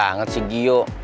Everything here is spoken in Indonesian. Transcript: lama banget sih gio